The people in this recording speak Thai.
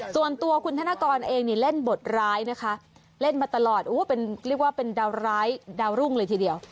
ส่วนตัวคุณธนกรเองเนี่ยเล่นบทร้ายนะคะเล่นมาตลอดเรียกว่าเป็นดาวร้ายดาวรุ่งเลยทีเดียว